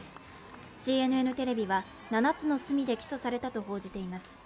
ＣＮＮテレビは、７つの罪で起訴されたと報じています。